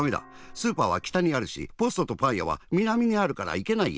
スーパーは北にあるしポストとパンやは南にあるからいけないや。